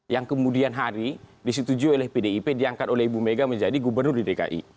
yang kemudian hari disetujui oleh pdip diangkat oleh ibu mega menjadi gubernur di dki